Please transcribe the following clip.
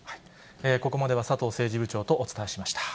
ここまでは佐藤政治部長とお伝えしました。